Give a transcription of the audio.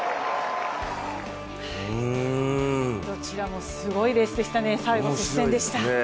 どちらもすごいレースでしたね、最後接戦でした。